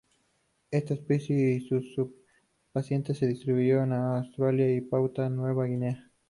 Esta especie y sus subespecies se distribuyen en Australia y Papúa Nueva Guinea.